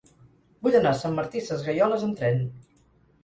Vull anar a Sant Martí Sesgueioles amb tren.